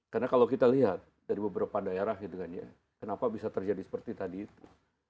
karena kalau kita lihat dari beberapa daerah kenapa bisa terjadi seperti tadi itu